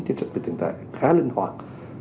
chính sách về tiền tài khá linh hoạt